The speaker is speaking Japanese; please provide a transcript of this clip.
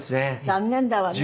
残念だわね。